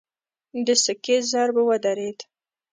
د سکې ضرب ودرېد.